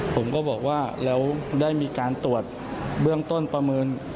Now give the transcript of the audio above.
ผมก็บอกว่าแล้วได้มีการตรวจเบื้องต้นประเมิน